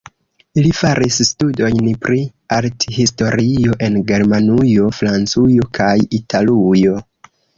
Li faris studojn pri arthistorio en Germanujo, Francujo kaj Italujo.